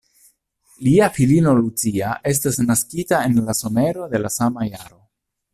Lia filino Lucia estis naskita en la somero da la sama jaro.